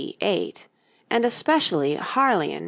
8; and especially Harleian MS.